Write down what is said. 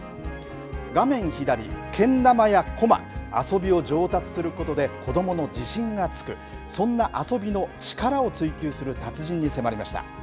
画面左、けん玉やこま遊びを上達することで子どもの自信がつくそんな遊びの力を追求する達人に迫りました。